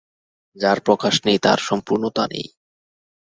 যার প্রকাশ নেই তার সম্পূর্ণতা নেই।